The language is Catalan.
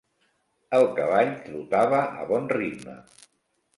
El cavall trotava a bon ritme.